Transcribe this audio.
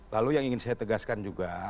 lalu yang ingin saya tegaskan juga